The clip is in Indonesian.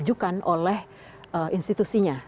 diajukan oleh institusinya